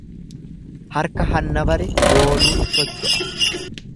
Harka hanna bare dooluutu socho'a.